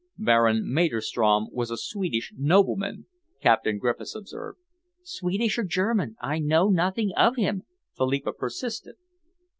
"Baron Maderstrom was a Swedish nobleman," Captain Griffiths observed. "Swedish or German, I know nothing of him," Philippa persisted.